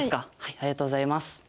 ありがとうございます。